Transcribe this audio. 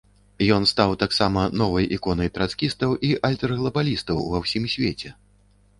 Ён стаў таксама новай іконай трацкістаў і альтэрглабалістаў ва ўсім свеце.